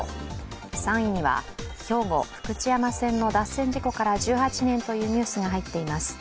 ３位には、兵庫・福知山線の脱線事故から１８年というニュースが入っています。